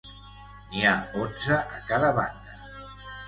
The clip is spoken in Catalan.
N'hi ha onze a cada banda.